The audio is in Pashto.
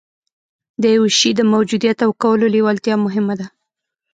د يوه شي د موجوديت او کولو لېوالتيا مهمه ده.